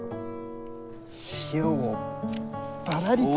塩をバラリと。